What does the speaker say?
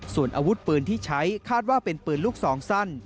ส่วนอาวุธปืนที่ใช้คาดว่าเป็นปืนลูกซองสั้น